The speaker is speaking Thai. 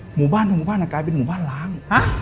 หมู่บ้านทางหมู่บ้านกลายเป็นหมู่บ้านล้าง